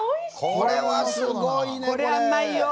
これは、すごいね！